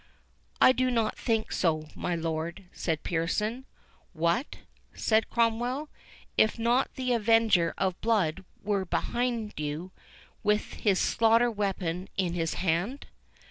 "I do not think so, my lord," said Pearson. "What?" said Cromwell; "not if the avenger of blood were behind you, with his slaughter weapon in his hand?"